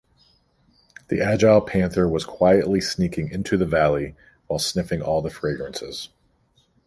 The agile panther was quietly sneaking into the valley while sniffing all the fragrances.